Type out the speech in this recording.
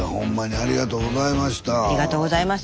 ありがとうございます。